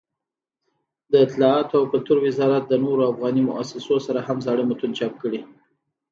دطلاعاتو او کلتور وزارت د نورو افغاني مؤسسو سره هم زاړه متون چاپ کړي.